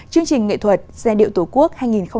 chương trình nghệ thuật giai điệu tổ quốc hai nghìn một mươi chín